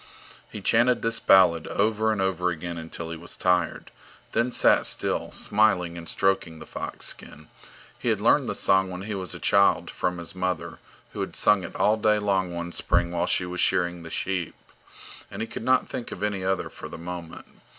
He chanted this ballad over and over again until he was tired, then sat still, smiling and stroking the fox skin. He had learned the song when he was a child from his mother, who had sung it all day long one spring while she was shearing the sheep. And he could not think of any other for the moment.